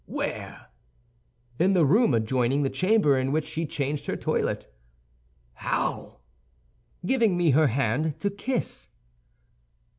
"Where?" "In the room adjoining the chamber in which she changed her toilet." "How?" "Giving me her hand to kiss."